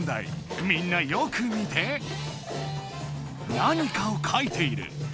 何かを書いている。